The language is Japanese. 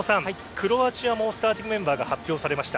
クロアチアもスターティングメンバーが発表されました。